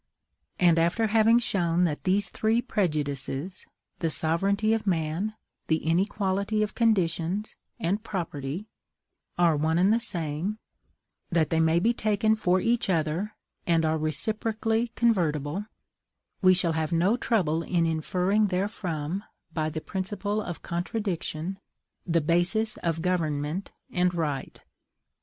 And, after having shown that these three prejudices THE SOVEREIGNTY OF MAN, THE INEQUALITY OF CONDITIONS, AND PROPERTY are one and the same; that they may be taken for each other, and are reciprocally convertible, we shall have no trouble in inferring therefrom, by the principle of contradiction, the basis of government and right.